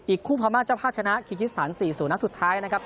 อีกคู่พามาเจ้าภาคชนะคีกิสถาน๔ศูนย์นัดสุดท้ายนะครับ